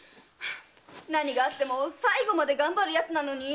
何があっても最後までがんばる奴なのに。